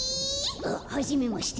ははじめまして。